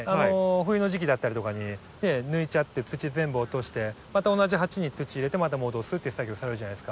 冬の時期だったりとかに抜いちゃって土全部落としてまた同じ鉢に土入れてまた戻すっていう作業されるじゃないですか。